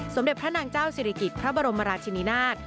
สมเด็จพระนางเจ้าศิริกิจพระบรมราชินินาศ